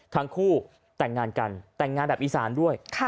ทั้งคู่แต่งงานกันแต่งงานแบบอีสานด้วย